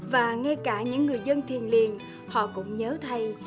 và ngay cả những người dân thiền liền họ cũng nhớ thay